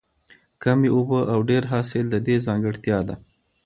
کمې اوبه او ډېر حاصل د دې ځانګړتیا ده.